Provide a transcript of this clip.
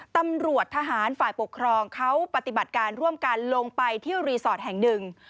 ตำรวจทหารฝ่ายปกครองเขาปฏิบัติการร่วมกันลงไปที่รีสอร์ทแห่งหนึ่ง